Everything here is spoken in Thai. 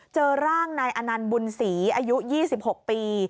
เจอร่างนายอนันต์บุญศรีอายุยี่สิบหกปี